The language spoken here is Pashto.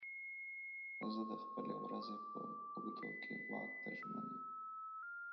زه د خپلې ورځې په اوږدو کې واک ته ژمن یم.